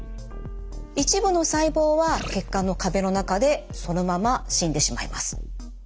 一部の細胞は血管の壁の中でそのまま死んでしまいます。